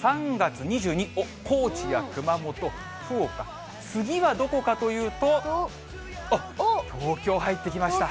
３月２２、高知や熊本、福岡、次はどこかというと、おっ、東京入ってきました。